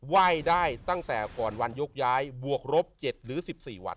ไหว้ได้ตั้งแต่ก่อนวันยกย้ายบวกรบ๗หรือ๑๔วัน